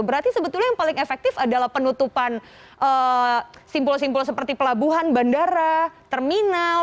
berarti sebetulnya yang paling efektif adalah penutupan simpul simpul seperti pelabuhan bandara terminal